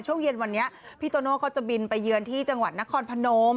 ช่วงเย็นวันนี้พี่โตโน่เขาจะบินไปเยือนที่จังหวัดนครพนม